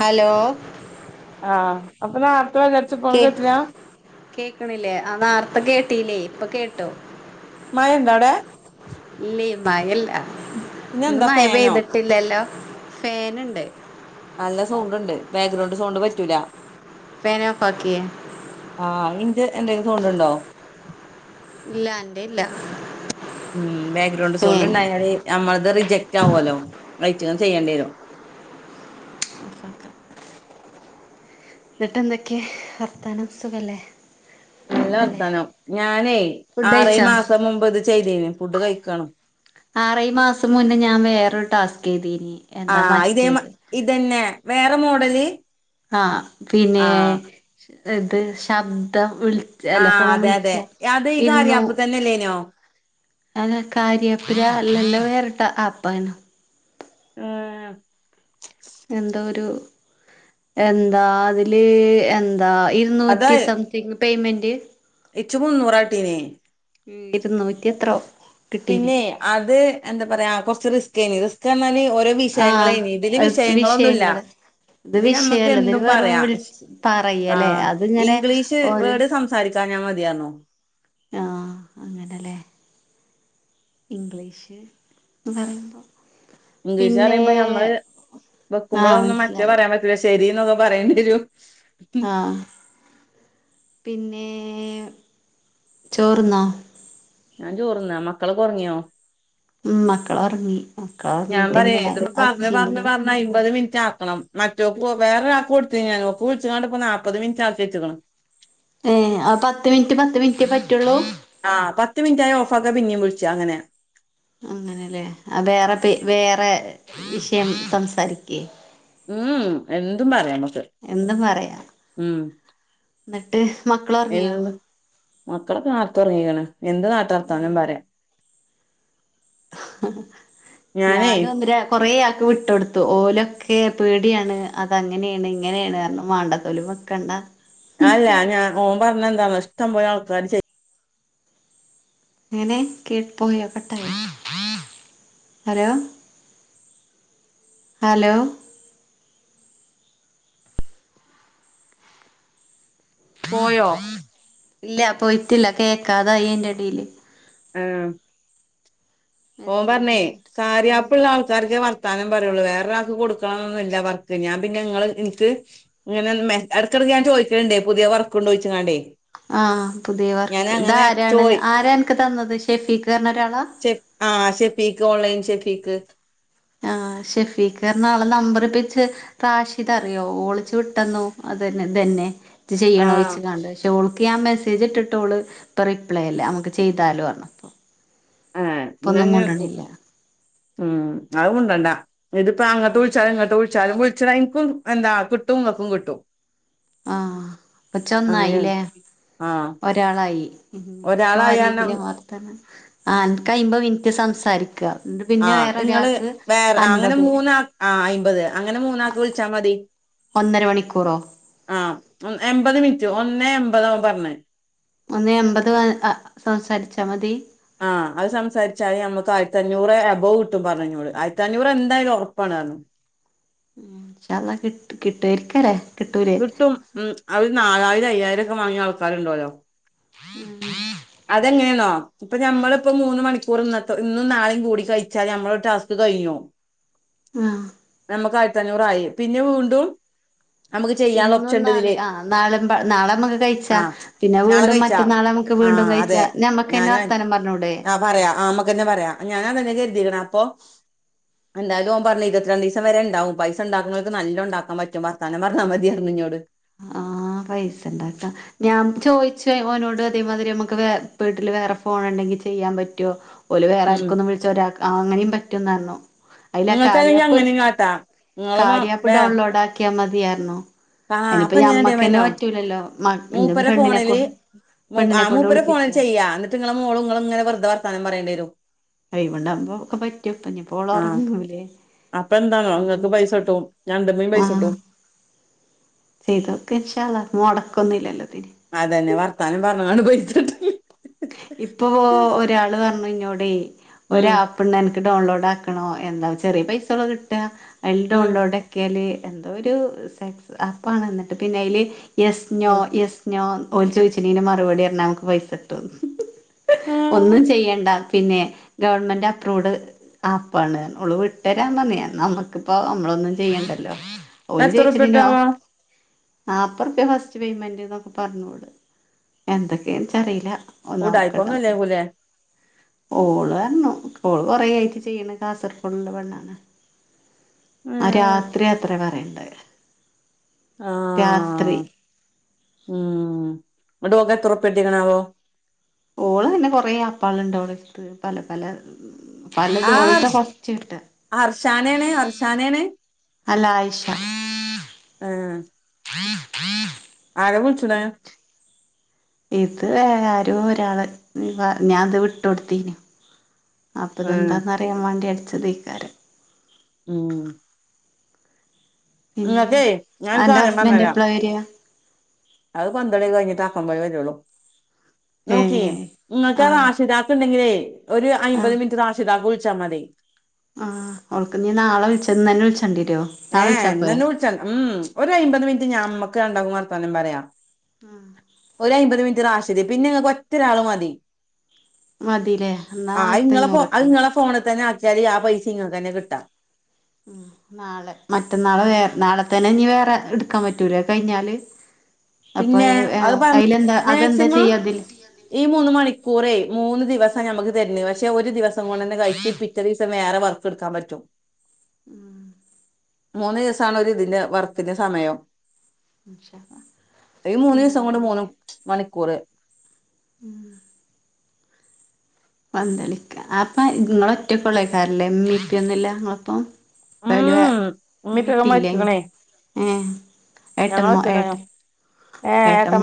Hello കേ കേക്കണില്ലേ അവാർത്ത കേട്ടില്ലേ ഇപ്പൊ കേട്ടോ മയണ്ടാ അവിടെ ഇല്ലേ മയല്ല ന്ന് പിന്നെന്താ ഫാനോ മയപെയ്തിട്ടില്ലല്ലോ ഫാനുണ്ട് നല്ല സൗണ്ട് ഉണ്ട് ബാക്ക്ഗ്രൗണ്ട് സൗണ്ട് പറ്റൂല ഫാൻ ഓഫ് ആക്കിയേ ആഹ് ഇന്ത് എന്തേലും സൗണ്ടുണ്ടോ ഇല്ല എന്റെ ഇല്ല മ് ബാക്ക്ഗ്രൗണ്ട് സൗണ്ട് ഫാൻ ണ്ടായാല് ഞമ്മളത് റിജെക്റ്റ് ആവോലോ. അയ്ച്ചങ്ങന്നേ ചെയ്യണ്ട്യേരും. ഇപ്പളത്തെ ന്ന്ട്ടെന്തൊക്കെ വർത്താനം സുഖല്ലേ? നല്ല അല്ലേ വർത്താനം ഞാനെയ് ഫുഡ് ആറേയ് കഴിച്ചോ മാസം മുമ്പ് ഇത് ചെയ്തീനു. ഫുഡ് കയ്ക്കാണ്. ക്കെതിനി ആഹ് ഇതേമാ ഇതെന്നെ വേറെ മോഡല് ആഹ് പിനേ ആഹ് ഇദ് ശബ്ദം വിൾച്ച അല്ല ആഹ് ഫോം അതെ വിൾച്ച അതെ അത് ഈ ഇര്ന്നു കാര്യാപ്പ് തന്നെല്ലേനോ അ കാര്യാപ്പിലാ അല്ലല്ലോ ഏറെ ട്ടആപ്പേനു ആ എന്താ ഒരു എന്താ അതില് എ ന്താ അതാ ഇരുന്നൂറ്റി സംതിങ്ങ് പേയ്മെന്റ് ഇച്ച് മുന്നൂറാക്ട്ടീനേയ് ഇര്ന്നൂറ്റി എത്രോ കിട്ടീന് പിന്നേ അത് എന്തപറയാ പ്പൊ ച്ച് റിസ്‌കെയ്നു റിസ്കപറഞ്ഞാല് ഓരോ ആഹ് വിഷയങ്ങളെയ്നീ. ഇതില് അത് വിഷയങ്ങളൊന്നുല്ല. വിഷയങ്ങള് ഇത് ഞമ്മക്ക് വിഷയല്ല ഇതില് എന്തും വെറും പറയാ. വിളിച്ച് പറയല്ലേ ആഹ് അതിങ്ങനെ ഇംഗ്ലീഷ് ഒരു വേഡ് സംസാരിക്കാഞ്ഞാ മതിപറഞ്ഞു. ആഹ് അങ്ങനല്ലേ ഇംഗ്ലീഷ് പറയുമ്പോൾ ഇംഗ്ലീഷ് പറയുമ്പോ നമ്മള് ആഹ് വെക്കുമ്പോളൊന്നും മറ്റേത് മനസ്സിലായി പറയാൻ പറ്റൂല. ശെരി ന്നൊക്കെ പറേണ്ടെരും. ആ പിന്നേ ചോറ്ന്നോ? ഞാചോറ്ന്നാ മക്കളൊക്കൊർങ്യോ? ഇം മക്കളൊർങ്ങി ഞാൻ മക്കളൊർങ്ങീറ്റ് പറയേ ങ്ങനെ ഇതിപ്പോ പറഞ്ഞ് ഒച്ചം പറഞ്ഞ് വിളീം പറഞ്ഞ് അയ്മ്പത് മിനിറ്റ് ആക്കണം മറ്റൊക്ക് വേറൊരാക്ക് കൊട്തീനുഞാം ഓക്ക് വിളിച്ച്ങ്ങാണ്ട്പ്പോ നാല്പ്പത് മിൻറ്റാക്കിവെച്ച്ക്ക്ണ്. ഏ അ പത്ത് മിൻറ്റ് പത്ത് മിൻറ്റേ പറ്റൊള്ളൂ. ആഹ് പത്ത് മിനിറ്റായ ഓഫാക്കാ പിന്നീം വുൾച്ചാ അങ്ങനെ. അങ്ങനെലെ ആ വേറെ പേ വേറെ വിഷയം സംസാരിക്ക് ഇം എന്തും പറയമ്മക്ക് ഇം എന്നട്ട് എന്ത് മക്കളൊക്കെ നാർത്തെ ഒർങ്ങീക്ക്ണ്. എന്ത് നാട്ടാർത്താനും പറയാം ഞാനേ ഞാനും ഒന്നര കൊറേ പൂ ഇട്ടൊടുത്തു ഓലൊക്കെ പേടിയാണ് അതങ്ങനെയാണ് ഇങ്ങനെയാണ് കാരണം മാണ്ട ത്തോലും വെക്കണ്ട താന്ന് ഇഷ്ടം പോലെ ആൾക്കാര് ചെയ് അങ്ങനെ കേട് പോയി ഒക്കട്ടെ ഹലോ ഹലോ പോയോ ഇല്ല പോയിട്ടില്ല കേക്കാതായി അയിന്റെടേല് ആഹ് ഓൻ മെസ്സേജ് പറഞ്ഞേ വന്നിട്ട് ആ കരിയാപ്പ്ള്ള ആൾക്കാർക്ക് വർത്താനം പറയുള്ളൂ വേറെരാൾക്ക് കൊടുക്കണന്നൊന്നുഇല്ല വർക്ക് ഞാൻ പിന്നെ ഇങ്ങള് എനിക്ക് ഇങ്ങനെ മേ എടക്കെടക്ക് ഞാൻ ചോയിക്കിണുണ്ടേ പുതിയ വർക്ക് ഉണ്ടോ ചോയിച്ചിങ്ങാണ്ടേ ആഹ് പുതിയവർക്ക് ഇതാരാണ് ആരാ എനിക്ക് തന്നത് ഇഷ് [unintelligible] ചെഫ് ആ ശെഫ് പീക്ക് ഓൺലൈൻ ഷെഫീക്ക് ആഹ് ഷെഫീഖർന്ന ഓള നമ്പറിപ്പിച്ച് റാഷിദ് അറിയോ ഓളിച്ചു വിട്ടെന്നോ അതന്നെ ഇതന്നെ ഇത് ആഹ് ചെയ്യണോയിച്ചിങ്ങാണ്ട് പക്ഷെ ഓൾ ക്കി ആ മെസ്സേജ് ഇട്ടിട്ടോള് ഇപ്പം റിപ്ലൈ ഇല്ല നമ്മുക്ക് ചെയ്താലോ പറഞപ്പം ആഹ് എന്നാ ഇങ്ങൾ ഉം അതുമുണ്ടണ്ടാ ഇതിപ്പം അങ്ങട്ട് വിളിച്ചാലും ഇങ്ങട്ട് വിളിച്ചാലും വി [unintelligible] എന്താ കിട്ടും ഇങ്ങക്കും കിട്ടും ആഹ് പച്ച അങ്ങനെയാണ് ഒന്നായില്ലേ ആഹ് ഒരാളായി ഇനി ഇപ്പ ഒരാളായാരണം ആരെങ്കിലും വർത്താന ആ അൻക്ക് അയ്മ്പത് മിനിറ്റ് സംസാരിക്ക എന്നിട്ട് പിന്നെ ആഹ് വേറെ നിങ്ങള് ഒരാൾക്ക് വേറെ അങ്ങനെ അൻപത് മൂന്നാ ആഹ് അയിൻപത് അങ്ങനെ മൂന്നാക്കി വിളിച്ചാ മതി ഒന്നര മണിക്കൂറോ ആഹ് എമ്പത് മീൻ ഒന്നേ എമ്പതാ അവൻ പറഞ്ഞെ ഒന്ന് എമ്പത് അ സംസാരിച്ചാ മതി ആഹ് അത് സംസാരിച്ചാല് ഞമ്മക്ക് ആയിരത്തഞ്ഞൂറെ എബൗ കിട്ടും പറഞ്ഞെന്നോട് ആയിരത്തഞ്ഞൂറ് എന്തായാലും ഒറപ്പാണ് [unintelligible] ഇൻഷ അള്ളാ കിട് കിട്ടുആരിക്കരേ കിട്ടും ഉം അത് നാലായി ഒരു അയ്യായിരൊക്കെ വാങ്ങിയ ആൾക്കാരുണ്ടോല്ലൊ ഉം അതെങ്ങനെയാന്നോ ഇപ്പം ഞമ്മളിപ്പം മൂന്ന് മണിക്കൂർ ഇന്നത്തെ ഇന്നും നാളെയും കൂടി കഴിച്ചാല് അമ്മള ടാസ്ക് കഴിഞ്ഞു ആഹ് നമുക്ക് ആയിരത്തി അഞ്ഞൂറായി പിന്നെ വീണ്ടും നമുക്ക് ചെയ്യാനുള്ള ഇന്നും ഓപ്ഷൻ ഉണ്ട് നാളെ ഇതില് ആ നാളെ പ നാളെമ്മക്ക് കഴിച്ചാ പിന്നെ വീണ്ടും മറ്റന്നാളെ നമ്മുക്ക് വീ ആ അതെ ഞാന ആ പറയാ ആമ്മക്കന്നെ പറയാ ഞാനാ അത് എഴുതിക്കണ അപ്പൊ എന്താലും ഓൻ പറഞ്ഞ് ഇരുപത്രീരണ്ടീസം വരെ ഉണ്ടാവും പൈസ ഉണ്ടാക്കുന്നോർക്ക് നല്ല ഉണ്ടാക്കപറ്റും വർത്താനം പഞ്ഞാ മതിയായിരുന്നു ഇഞ്ഞോട്. ആഹ് പൈസ ഉണ്ടാക്കാം ഞാൻ ചോയിച്ചു ഓനോട് അതേമാതിരി നമ്മുക്ക് വേ വീട്ടില് വേറെ ഫോൺ ഉണ്ടെങ്കി ചെയ്യാൻ പറ്റോ? ഓല് വേറെ ഉം ആർക്കുന്നും വിളിച്ച ഒരാക്ക് ആ അങ്ങനെയും റ്റും ന്നർഞ്ഞു നിങ്ങൾക്ക് അല്ലെങ്കി അങ്ങന കാട്ടാ നിങ്ങളെ വേ വിയർന്നു അയിന് പ്പം ഞമ്മക്ക്ന്നെ പറ്റൂലല്ലോ മ ഇന്റെ മൂപ്പര് പെണ്ണിനെ ഫോണിൽ കൊണ്ട് മു ആ പെണ്ണിനെ കൊണ്ട് മൂപ്പര ഫോണിൽ വിളിപ്പിച്ചോ ചെയ്യാം എന്നിട്ട് നിങ്ങളെ മോളും നിങ്ങളും ഇങ്ങനെ വെറുത വർത്താനം പറയേണ്ടി തും എയ് വണ്ണ പോ ഒക്കെ പറ്റെകെ ഞ് പ്പ ആഹ് പ്പോളഒറങ്ങൂലേ അപ്പൊ എന്താന്നോ അ ഇങ്ങക്ക് പൈസ പറ്റിയ കിട്ടും ഞണ്ടുമ്മീ ആ പൈസ കിട്ടും ചെയ്തോക്ക ഇൻക്ഷ അളള മുടക്കൊന്നുമില്ലല്ലോ അതന്നെ വർത്താനം പറഞ്ഞാണ്ട് പോയി [inaudible] ഇപ്പൊ ഒരാള് പറഞ്ഞ് എവിടെ ഒരു ഉം ആപ്പ് ണ്ട് അന ഡൗൺലോഡ് ആക്കണോ എന്താ ചെറിയ പൈസ ള്ളൂ കിട്ട എൽട ഉം ഉള്ളോടക്കല് എന്തോ ഒരു സെസ് ആപ്പാണ് എന്നിട്ട് പിന്നെ അയില്. യസ് നോ ഉം എസ് നോ ഓല് ചോദിച്ചാലിന് മറപടി പറഞ്ഞൽ നമക്ക് പൈസ കിട്ടും ഏഹ് ഒന്നും ചെയ്യണ്ട പിന്നെ ഗവൺമെന്റ് അപ്രൂവ്ഡ് ആപ്പാണ് ഒമ്മള് ഇട്ട് തരാൻ പറന്നിയ നമ്മക്കിപ്പോ നമ്മളൊന്നും ചെയ്യണ്ടല്ലോ എത്ര പ്പ്യ കിട്ട അർഞ്ഞു. നാല്പത് റുപിയ ഫസ്റ്റ് പേയ്മെന്റ് എന്നൊക്കെ പറഞ്ഞോള് എന്തൊക്കെയെന്ന് വെച്ചാൽ അറിയില്ല ഉടായിപ്പോന്നും ഇല്ലേക്കുലെ ഓള് വർഞ്ഞു ഓൾ കൊറേ ആയി ഇത് ചെയ്യ്ണ് കാസർകോട്‌ള്ള പൊണ്ണാണ്. ആ ഏഹ് രാത്രി അത്ര പറയും രാത്രി ആഹ് ഇങ്ങടെ ഓൾക്ക് എത്ര റുപ്പിയ കിട്ടിയേക്കണ് ആവോ ഓള് വന്ന് കൊറേ ആപ്പോളാണ്ട് ഓളുടെ അടുത്ത് പല പല പലത് ആഹ് ഓൾതാ ആർഷ് ഫസ്റ്റ് കിട്ടാ അർഷാനേണ് അർഷാനേണ് അല്ല ആയിഷ ആഹ്. ആരാ വിൾച്ചണേ ഇത് വേ ആരോ ഒരാള് ഞ്‌ പ ഞാൻ അത് വിട്ടോട്ത്തീനി. ഏഹ് അപ്പിതെന്താന്ന് അറിയാൻ വേണ്ടി അടിച്ചത് ക്കാരം ഉം പിന്നെ ഇങ്ങക്കേ ഞാനൊരു അന്റെ സാധനം ഹസ്ബൻഡ് പറഞ്ഞരാം എപ്പളാ വരിക അത് പന്തളിയൊക്കെ കഴിഞ്ഞി ട്ടാക്കംമ്പോലേ വരൊള്ളൂ. ഏ നോക്കിയേ ഇങ്ങൾക്കാ ആഹ് റാഷിദാക്ക് ഇണ്ടെങ്കിലേ ഒരു അയ്മ്പത് ആഹ് മിൻറ്റ് റാഷിദാക്ക് വിൾ ച്ചാ മതി ആഹ് ഓൾ‌ക്കിഞ്ഞി നാളെ വിൾച്ച ഇന്നന്നെ വിൾ ഏഹ് ഇന്നന്നെ വിളിച്ചാതി ഉം ഒരയ്മ്പത് മിനിറ്റ് ഞമ്മക്ക് ര ണ്ടാക്കുംവർത്താനം പറയാ. ഒരയ്മ്പത് മിൻറ്റ് റാഷിദേം പിന്നിങ്ങക്ക് ഒറ്റൊരാള് മതി. മതില്ലേ എന്നാ ആഹ് ഇങ്ങളെ ഫോ ആയിരത്തഞ്ഞൂറ് ട്ടോ അയിങ്ങളെ ഫോണി തന്നെ ആ [unintelligible] ആ പൈസിം ഇങ്ങക്കന്നെ കിട്ടാ ഉം നാളെ മറ്റന്നാളെ വേർ നാളെ തന്നെ ഇനി വേറെ ഇട്ക്കാൻ പറ്റൂലെ കഴിഞ്ഞാല്? അപ്പൊ പിന്നെ അത് പ [unintelligible] അതിലെന്താ അതെന്താ മാക്സിമം ചെയ്യാ അതില് ഈ മൂന്ന് മണിക്കൂറേ മൂന്ന് ദിവസ് സാ ഞമ്മക്ക് തര്ണ് പഷ് ഒരു ദിവസം കൊണ്ടെന്നെ കയിച്ച് പിറ്റേ ദീസം വേറെ വർക്ക് ഇട്ക്കാൻ പറ്റും. ഉം. മൂന്ന് ദിവസാണ് ഒരിതിന്റെ വർക്കിന്റെ സമയം. ഇന്ഷാ അല്ലാഹ്‌. ഈ മൂന്ന് ദിവസം കൊണ്ട് മൂന്ന് മണിക്കൂറ് ഉം പന്തളിക്ക അപ്പ ഇങ്ങള് ഒറ്റ കൊള്ളേക്കാരല്ലേ ഇമ്മീം ഇപ്പ്യൊന്നും ല്ലാ ഇങ്ങളൊപ്പം? [unintelligible] ഉം ഉമ്മി ഇപ്പൊക്കെ ഇമ്മിപ്പിം ഇല്ലേ ങ് മരിച്ച്ക്ക്ണേ ഏ ഞങ്ങള് ഏട്ടമ്മോ ഒറ്റക്കാ ഏട്ട് ഏട്ടം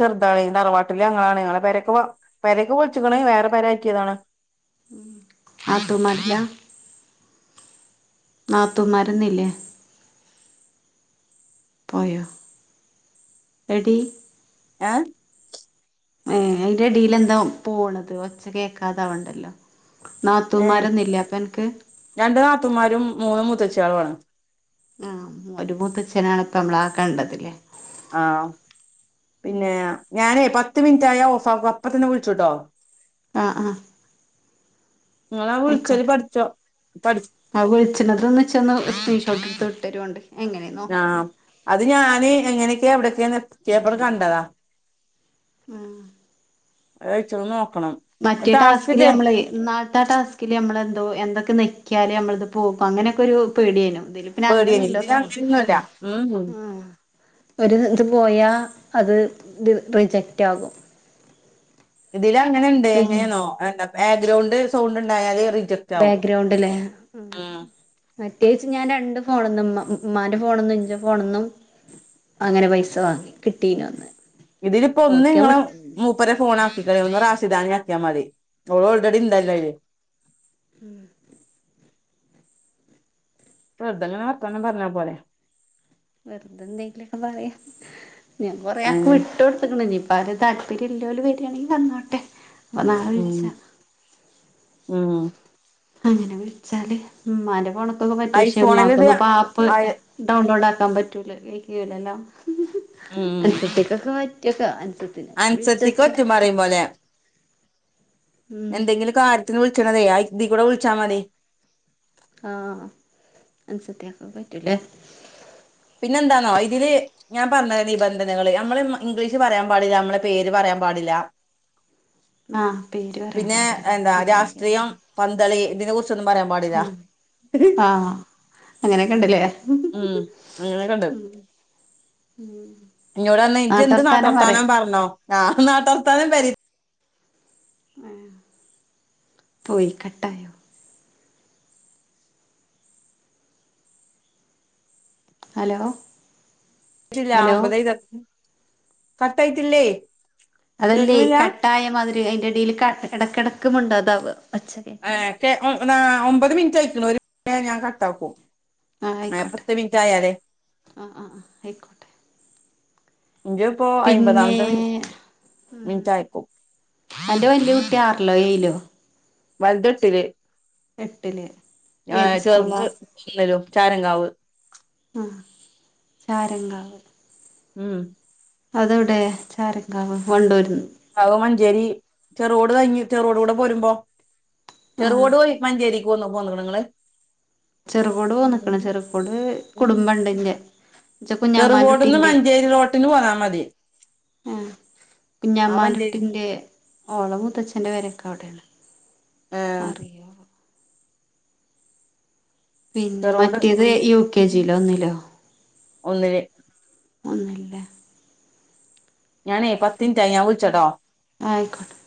ചെറ്താവേ തറവാട്ടില് ഞങ്ങളാണ് ഞങ്ങളെ പെരക്കെ വ പെരെക്കെ പൊൾച്ച്ക്ക്‌ണ് വേറെ പെരെയ്റ്റിയതാണ്. [unintelligible] നാത്തൂൻ മാരൊന്നും ഇല്ലെ പോയോ എടീ ഏ അയിന്റെടീല് എന്തോ പോണത് ഒച്ച കേക്കാതാവണ്ടല്ലോ ഏ നാത്തൂമാരൊന്നില്ലേ അപ്പൊ അനക്ക് രണ്ടു നാത്തമാരും മൂന്ന് മു ത്തെ ച്ചാവാ ആ ഒരു മൂത്തച്ഛനാണ് ഇപ്പ നമ്മള ആക്കണ്ടതില്ലേ ആ പിന്നെ ഞാനേ പ പത്ത് മിനിറ്റായ ഓഫാ അപ്പ തന്നെ വിളിച്ചുട്ടോ ആ ആ നിങ്ങളാ വിളിച്ചല് അയ്‌ക്കോട്ടെ പഠിച്ചോ പഠി ആ വിൾച്ച്ണത് ഇച്ചൊന്നു സ്ക്രീന്ഷോട് ട്ടൊരോണ്ടി ആ അത് ഞാന് എങ്ങനെ എവിടയൊക്കെയ പേപ്പർ കണ്ടതാ ആ ഴച്ചോർന്നോ മറ്റേ ടാസ്കില് നമ്മള് ന്നാൾത്തെ ആ ടാസ്കില് നമ്മള് അതോ എന്തൊക്കെ നെക്കിയാല് നമ്മളിത് പോക്കും അങ്ങനെയൊക്കെ ഒരു പേടിയാനു പേടിയ ഇതി അങ്ങനൊന്നുംല്ല ഉം ഒരു ഇത് പോയാ അത് റിജക്റ്റ ആകും ഇതില അങ്ങനെണ്ട് പിന്നെ എങ്ങനെന്നോ ബാഗ്രൗണ്ട് സൗണ്ട് ഇണ്ടായല് ബാഗ്രൗണ്ട്ല്ലേ മറ്റെ ഞാൻ രണ്ട് ഫോണന്നും ഉമ്മാന്റെ ഫോണന്നും ഇന്റെ ഫോണന്നും അങ്ങനെ പൈസ വാങ്ങി കിട്ടീല ഇതില് ഇപ്പോ ഒന്ന് ങ്ങളെ മൂപ്പരെ ഫോൺ ആക്കി ഒന്ന് റാഷിദാണ് ഞ മതി ഓള് ഓൾറെഡി ഇണ്ടല്ലോ അയ്‌ല് ഉം വെർതെ ഇങ്ങനെ വർത്താനം പർഞാപോരെ വെറുതെ എന്തെങ്കിലൊക്കെ പറയാം ഞാൻ കൊറെയാക്കെ അയിന് വിട്ട് കൊടുത്ത്ക്ക്ണ്‌ വര് താല്പര്യം ഇല്ലോല് വരികയാണെങ്കിൽ വന്നോട്ടെ ബനറിച്ച ആ അങ്ങനെ വിളിച്ചാല് ഉമ്മാന്റെ പോണ ക്കെ പറ്റ ഐഫോണിൽ ഇത് ഇമ്മാക്ക് ആപ്പ് ആയ ഡൗൺലോഡ് ആ ക്കാൻ പറ്റൂലക്കലല്ലാം ഉം എന്നട്ടേക്കൊക്കെറ്റ [unintelligible] അൻസത്തിക്ക് പറ്റു മറയും പോലെ ഉം എന്തെങ്കിലും കാര്യത്തിന് വിൾ ച്ച്ണതെ ആ ഇതി കുടെവിളിച്ചാ മതി ആ അൻസത്ത്യാക്ക് പറ്റും ലെ പിന്നെ എന്താന്നോ ഇതില് ഞാൻ പറഞ്ഞാ നിബന്ധനകള് അമ്മള് മ ഇംഗ്ലീഷ് പറയാൻ പാടില്ലാ അമ്മള് പേര് പറയാൻ പാടില്ല ആഹ് പേര് പറയാൻ പിന്നെ പാടില്ല എന്താ അങ്ങനെ കേട്ടു രാഷ്ട്രീയം പ [unintelligible] ഇതിനെ കുറി ഇപ്പം ഒന്നും പറയാൻ പാടില്ല അങ്ങനെക്കെ ണ്ടല്ലേ ഉം അങ്ങനെക്കൊണ്ട് ഉം എന്നൊട് പറഞ്ഞ് ഇജ് എന്ത് നാട്ടാർത്താനും പറഞ്ഞോ ആ നാട്ടാർത്താനും പെ ആ പോയി കട്ടായോ ഹലോ ഹലോ [unintelligible] കട്ടായിട്ടില്ലേ അതല്ലോ കേൾക്കണില്ല കട്ടായാമാതിരി അയിന്റെ എടെല് ക എടക്ക് എടക്ക് മുണ്ടാതാവ്യാ കെ ആ ഒമ്പത് മിനിറ്റായി ഒരു മിൻ്റ്റൂടി ആയാ ഞാൻ കട്ടാക്കും ആയിക്കോട്ടെ പത്ത് മിനിറ്റ് ആയാലേ ആ ആ ആ ആയിക്കോട്ടെ ഇൻ്റെ ഇപ്പോ പിന്നെ അയ്മ്പാതാമെത്തേ മിൻ ഉം മിൻറ്റായിപ്പാ അന്റെ വല്ല്യാ കുട്ടി ആറിലോ ഏഴിലോ വല്ത് എട്ടില് എട്ടില് ഏത് എങ സ്കൂളാ ചെറ്ത് [unintelligible] ചാരങ്കാവ് ആ ചാരങ്കാവ് ഉം അതെവെടായാ ചാരങ്കാവ് വണ്ടുര്ന്ന് ഭാഗം മാഞ്ചേരി ചെറ് റോഡ് കായിഞ്ഞ് ചെറുറോഡുടെ പോരുമ്പോ ആ ചെറ്ടെ വഴി മഞ്ചേരി പോണ് പോന്ന് ക്ക്ണൊ നിങ്ങള് ചെറുപോട് വന്നിക്കാണ് ചെറുപോട് കുടുംബേണ്ട് എൻ്റേ ചെറ്കോട്ന്ന് മഞ്ചേരി റോട്ടിന് പോന്നാ മതി ആ ആ മഞ്ചേരി കുഞ്ഞാമാന്റുട്ടിന്റെ ഓളെ മൂത്തച്ഛൻ്റെ പെരൊക്കെ അവടേണ്. ആ അറിയോ വോ പിന്നെ ചെറുകോട് മറ്റേത് യു കെ ജി യിലോ ഒന്നിലോ? ഒന്നില് ഒന്നില ഞാനേ പത്തിൻറ്റായി ഞാൻ വിളിച്ചട്ടോ ആയിക്കോട്ടെ